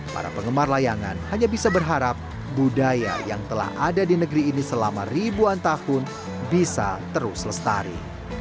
para penggemar layangan hanya bisa berharap budaya yang telah ada di negeri ini selama ribuan tahun bisa terus lestari